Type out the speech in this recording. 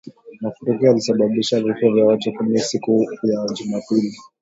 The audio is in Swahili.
Mafuriko yalisababisha vifo vya watu kumi siku ya Jumapili